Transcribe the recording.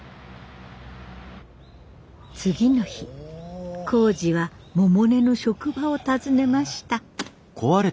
次の日耕治は百音の職場を訪ねました。